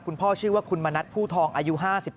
ชื่อว่าคุณมณัฐผู้ทองอายุ๕๙